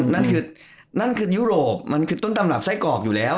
นั่นคือนั่นคือยุโรปมันคือต้นตำรับไส้กรอกอยู่แล้ว